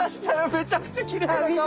めちゃくちゃきれいな川が。